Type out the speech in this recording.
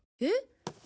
えっ？